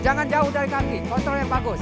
jangan jauh dari kaki kontrol yang bagus